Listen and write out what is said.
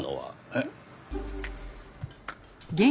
えっ？